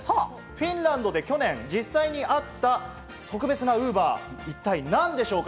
フィンランドで去年、実際にあった特別なＵｂｅｒ、一体何でしょうか？